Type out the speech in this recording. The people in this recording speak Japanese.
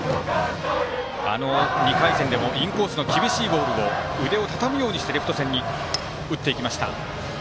あの２回戦でもインコースの厳しいボールを腕をたたむようにしてレフト線に打っていきました。